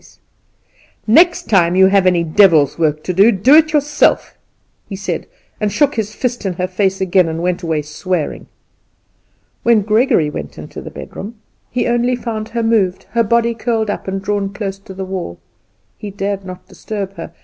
"The next time you have any devil's work to do, do it yourself," he said, and he shook his fist in her face again, and went away swearing. When Gregory went into the bedroom he only found her moved, her body curled up, and drawn close to the wall. He dared not disturb her.